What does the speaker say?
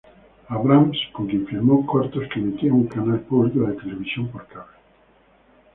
Abrams, con quien filmó cortos que emitía un canal público de televisión por cable.